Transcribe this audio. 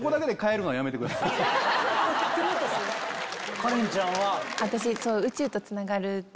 カレンちゃんは？